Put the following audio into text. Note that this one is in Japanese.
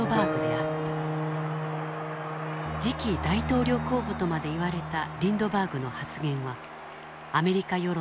次期大統領候補とまで言われたリンドバーグの発言はアメリカ世論に大きな影響を与えた。